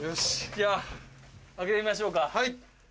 じゃあ開けてみましょうか。